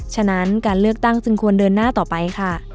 ฉะนั้นการเลือกตั้งจึงควรเดินหน้าต่อไปค่ะ